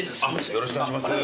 よろしくお願いします。